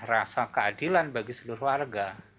rasa keadilan bagi seluruh warga